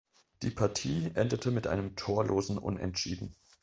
Die Partie endete mit einem torlosen Unentschieden.